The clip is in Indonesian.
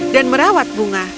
dan merawat bunga